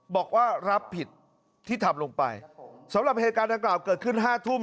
บอกว่ารับผิดที่ทำลงไปสำหรับเหตุการณ์ดังกล่าวเกิดขึ้นห้าทุ่ม